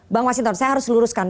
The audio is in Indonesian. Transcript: bang masinton saya harus luruskan